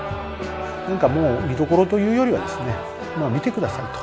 何かもう見どころというよりはですねまあ見てくださいと。